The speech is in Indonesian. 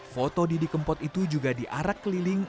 foto didi kempot itu juga diarak keliling